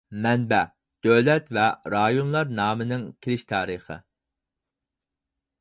مەنبە : دۆلەت ۋە رايونلار نامىنىڭ كېلىش تارىخى.